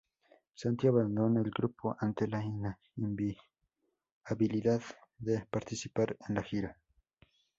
Santi abandona el grupo ante la inviabilidad de participar en la gira.